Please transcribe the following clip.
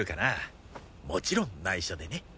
もちろん内緒でね。